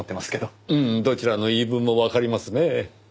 うんどちらの言い分もわかりますねぇ。